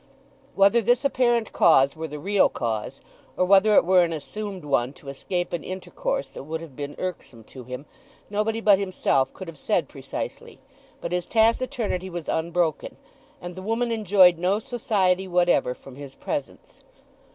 Whether this apparent cause were the real cause, or whether it were an assumed one to escape an intercourse that would have been irksome to him, nobody but himself could have said precisely; but his taciturnity was unbroken, and the woman enjoyed no society whatever from his presence.